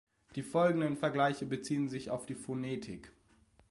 Die folgenden Vergleiche beziehen sich auf die Phonetik.